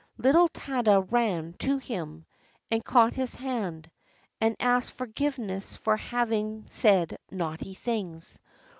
Little Tada ran to him, and caught his hand, and asked for giveness for having said naughty things.